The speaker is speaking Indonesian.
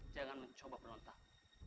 jangan mencoba menontak